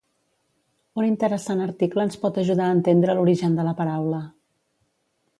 Un interessant article ens pot ajudar a entendre l'origen de la paraula.